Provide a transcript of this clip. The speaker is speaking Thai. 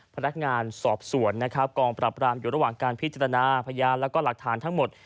พนักงานสอบสวนนะครับกองปรับรามอยู่ระหว่างการพิจารณาพยานแล้วก็หลักฐานทั้งหมด